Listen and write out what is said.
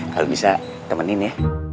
kalo bisa temenin ya